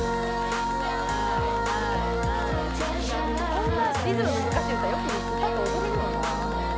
こんなリズム難しい歌よく歌って踊れるよな。